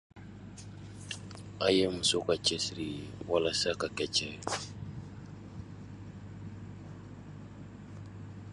- O ye musow ka cɛsiri ye walisa, ka kɛ cɛɛw ye;